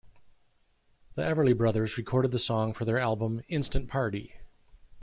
The Everly Brothers recorded the song for their album "Instant Party!".